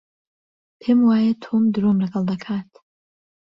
پێم وایە تۆم درۆم لەگەڵ دەکات.